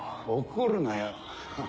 怒るなよ